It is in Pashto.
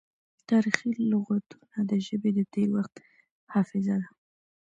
تاریخي لغتونه د ژبې د تیر وخت حافظه ده.